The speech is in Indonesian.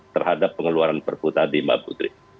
terhadap pengeluaran perpu tadi mbak putri